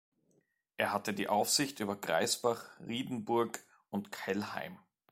Er hatte die Aufsicht über Graisbach, Riedenburg und Kelheim.